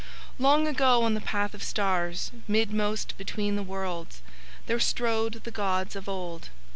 "Long ago on the path of stars, midmost between the worlds, there strode the gods of Old.